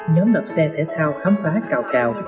nhóm đạp xe thể thao khám phá cao cao